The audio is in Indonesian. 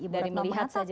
dari melihat saja ya